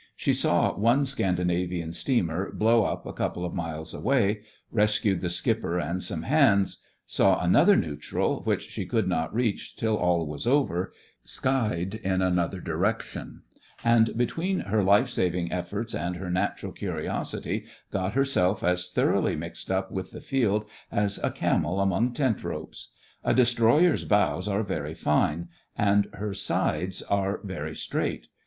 She saw one Scandinavian steamer blow up a couple of miles away, rescued the skipper and some hands ; saw another neutral, which she could not reach till all was over, skied in another direction; and, between her life saving efforts and her natural curi osity, got herself as thoroughly mixed up with the field as a camel among tent ropes. A destroyer's bows are very fine, and her sides are very straight.